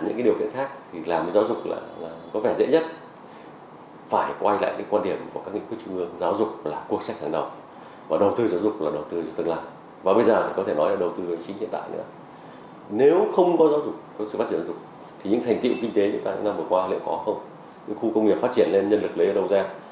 nhiều khu công nghiệp phát triển lên nhân lực lấy ở đâu ra